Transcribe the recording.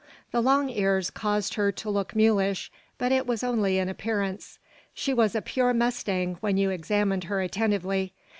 The long ears caused her to look mulish, but it was only in appearance; she was a pure mustang when you examined her attentively.